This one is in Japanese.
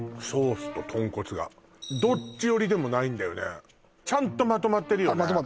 ソースと豚骨がどっち寄りでもないんだよねちゃんとまとまってるよね